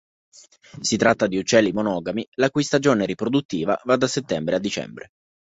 Si tratta di uccelli monogami, la cui stagione riproduttiva va da settembre a dicembre.